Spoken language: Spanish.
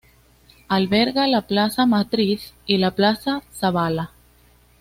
Alberga la Plaza Matriz y la Plaza Zabala.